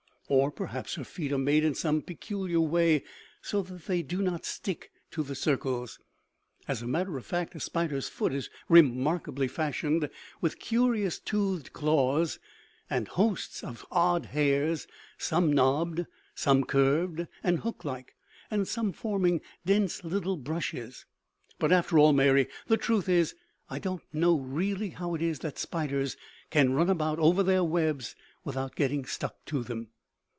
Or perhaps her feet are made in some peculiar way so that they do not stick to the circles. As a matter of fact, a spider's foot is remarkably fashioned, with curious toothed claws, and hosts of odd hairs, some knobbed, some curved and hook like, and some forming dense little brushes. But after all, Mary, the truth is, I don't know really how it is that spiders can run about over their webs without getting stuck to them."